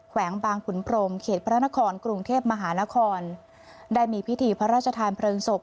แวงบางขุนพรมเขตพระนครกรุงเทพมหานครได้มีพิธีพระราชทานเพลิงศพ